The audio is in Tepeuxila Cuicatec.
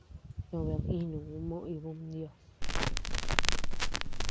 To bed inuu moo ibu ndios.